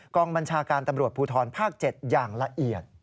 กองบัญชาการตำรวจภูทรภาค๗อย่างละเอียด